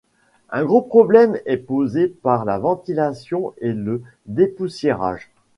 Un gros problème est posé par la ventilation et le dépoussiérage.